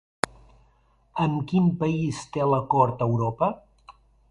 Amb quin país té l'acord Europa?